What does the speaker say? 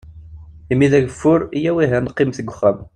Imi d agfur, iyyaw ihi ad neqqimet deg uxxam.